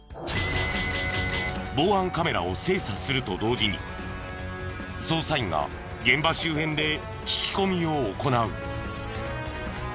防犯カメラを精査すると同時に捜査員が現場周辺で聞き込みを行う。